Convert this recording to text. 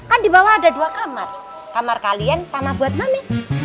ada dua kamar kamar kalian sama buat mami